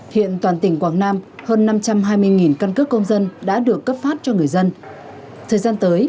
hiện toàn tỉnh quảng nam hơn năm trăm hai mươi căn cước công dân đã được cấp phát cho người dân thời gian tới